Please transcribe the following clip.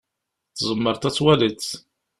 Tzemreḍ ad twaliḍ?